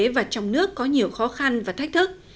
và trong nước có nhiều khó khăn và thách thức